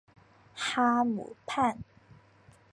哈姆畔。